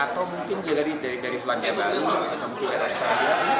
atau mungkin dari selandia baru atau mungkin dari australia